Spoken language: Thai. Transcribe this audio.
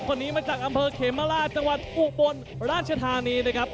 คนนี้มาจากอำเภอเขมราชจังหวัดอุบลราชธานีนะครับ